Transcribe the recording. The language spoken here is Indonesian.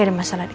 aku kasih tau